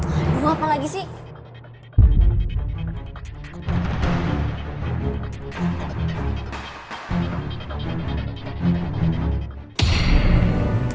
aduh apa lagi sih